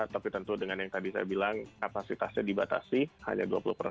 tapi tentu dengan yang tadi saya bilang kapasitasnya dibatasi hanya dua puluh persen